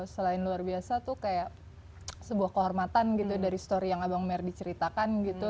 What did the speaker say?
selain luar biasa tuh kayak sebuah kehormatan gitu dari story yang abang merdi ceritakan gitu